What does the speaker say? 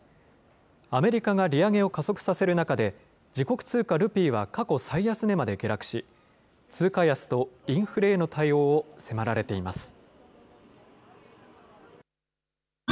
アメリカが利上げを加速させる中で、自国通貨ルピーは過去最安値まで下落し、通貨安とインフレへの対応を迫られています。